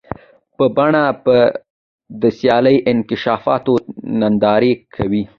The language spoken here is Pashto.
په پټه به د سیاسي انکشافاتو ننداره کوي.